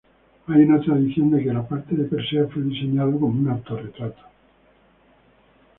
Hay una tradición de que la parte de Perseo fue diseñado como un autorretrato.